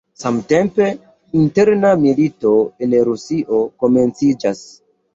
Samtempe, interna milito en Rusio komenciĝas.